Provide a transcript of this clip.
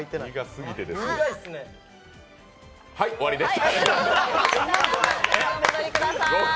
はいっ、終わりです。